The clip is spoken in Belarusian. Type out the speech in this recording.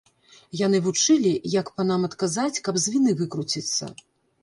Яны вучылі, як панам адказаць, каб з віны выкруціцца.